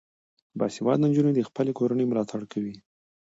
باسواده نجونې د خپلې کورنۍ ملاتړ کوي.